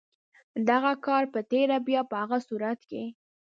دغه کار په تېره بیا په هغه صورت کې.